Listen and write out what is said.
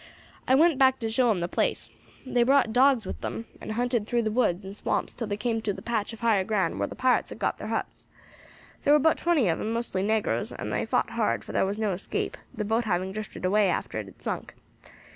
I went back to show 'em the place. They brought dogs with them, and hunted through the woods and swamps till they came to the patch of higher ground whar the pirates had got thar huts. Thar were about twenty of 'em, mostly negroes, and they fought hard, for thar was no escape, the boat having drifted away after it had sunk.